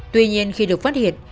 tuy nhiên khi được phát hiện